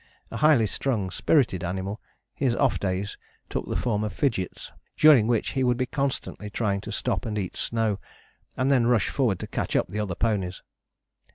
A highly strung, spirited animal, his off days took the form of fidgets, during which he would be constantly trying to stop and eat snow, and then rush forward to catch up the other ponies.